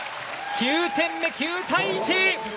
９点目、９対１！